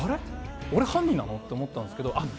俺、犯人なの？って思ったんですけど。